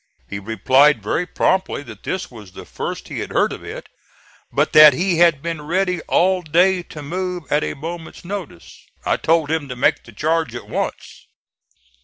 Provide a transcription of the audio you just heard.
He replied very promptly that this was the first he had heard of it, but that he had been ready all day to move at a moment's notice. I told him to make the charge at once.